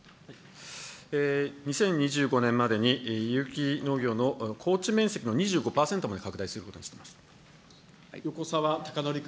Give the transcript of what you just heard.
２０２５年までに有機農業の耕地面積の２５％まで拡大するこ横沢高徳君。